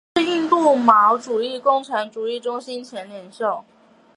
是印度毛主义共产主义中心前领袖。